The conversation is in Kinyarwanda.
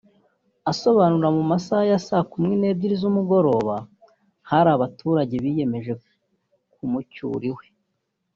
Asobanura mu masaha ya saa kumi n’ebyiri z’umugoroba hari abaturage biyemeje kumucyura iwe